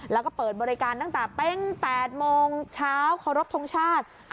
แล้วก็เปิดบริการตั้งแต่เป็น๘โมงเช้าเคารพทงชาติ